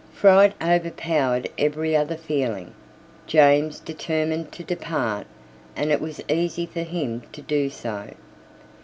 Fright overpowered every other feeling. James determined to depart; and it was easy for him to do so.